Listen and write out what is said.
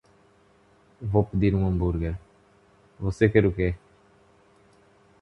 Vou pedir um hambúrger. Você quer o quê?